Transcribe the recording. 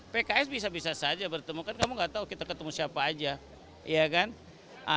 pks bisa bisa saja bertemu kan kamu nggak tahu kita ketemu siapa aja